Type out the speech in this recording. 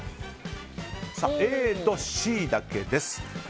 ＡとＣだけです。